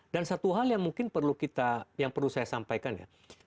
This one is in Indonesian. dan satu hal yang mungkin perlu kita yang perlu saya sampaikan ya